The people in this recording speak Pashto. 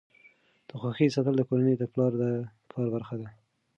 د خوښۍ ساتل د کورنۍ د پلار د کار برخه ده.